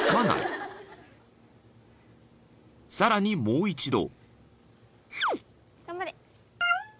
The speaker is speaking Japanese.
［さらにもう一度］